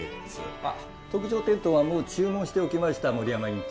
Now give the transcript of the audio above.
あっ特上天丼はもう注文しておきました森山院長。